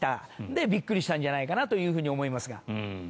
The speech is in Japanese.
で、びっくりしたんじゃないかなと思いますが。